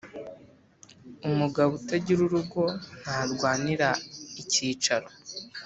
umugabo utagira urugo ntarwanira icyicaro.